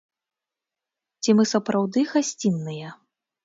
Ці мы сапраўды гасцінныя?